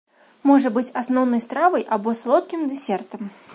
Можа быць асноўнай стравай або салодкім дэсертам.